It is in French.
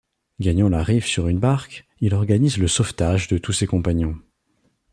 Gagnant la rive sur une barque, il organise le sauvetage de tous ses compagnons.